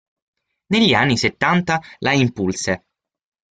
Negli anni settanta la Impulse!